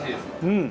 うん。